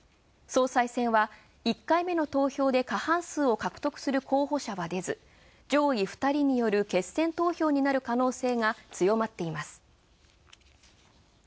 総裁選は１回で過半数は獲得せず、候補者は出ず、上位２人による決選投票になる可能性が強まっている。